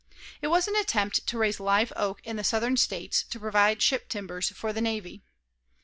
It was an attempt to raise live oak in the Southern States to provide ship timbers for the Navy.